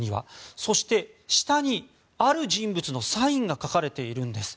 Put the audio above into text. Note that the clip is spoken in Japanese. そして、下にある人物のサインが書かれているんです。